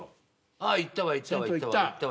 ああ行ったわ行ったわ。